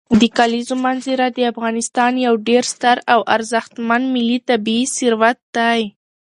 د کلیزو منظره د افغانستان یو ډېر ستر او ارزښتمن ملي طبعي ثروت دی.